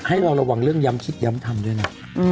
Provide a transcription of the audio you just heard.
ให้เราระวังเรื่องย้ำคิดย้ำทำด้วยนะ